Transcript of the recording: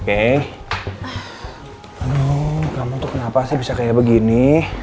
aduh kamu tuh kenapa sih bisa kayak begini